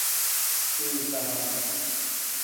چُوئیے ژا ہائیے۔